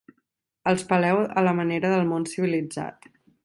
Els peleu a la manera del món civilitzat.